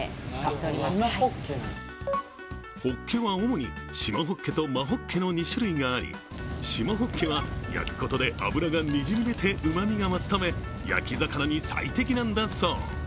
ほっけは主に、縞ほっけと真ほっけの２種類あり、縞ほっけは焼くことで脂がにじみ出てうまみが増すため焼き魚に最適なんだそう。